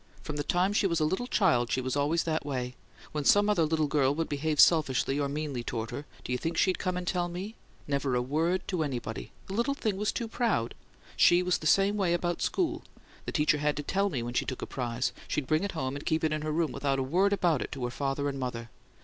From the time she was a little child she was always that way. When some other little girl would behave selfishly or meanly toward her, do you think she'd come and tell me? Never a word to anybody! The little thing was too proud! She was the same way about school. The teachers had to tell me when she took a prize; she'd bring it home and keep it in her room without a word about it to her father and mother.